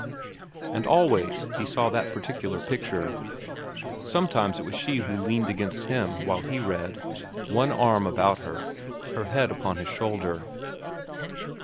And always he saw that particular picture. Sometimes it was she who leaned against him while he read, one arm about her, her head upon his shoulder.